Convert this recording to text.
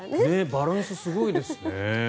バランスすごいですね。